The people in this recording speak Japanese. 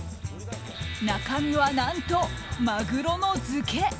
中身は何と、マグロの漬け。